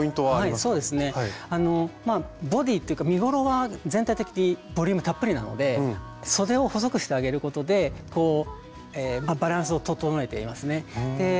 はいそうですねボディーというか身ごろは全体的にボリュームたっぷりなのでそでを細くしてあげることでバランスを整えていますね。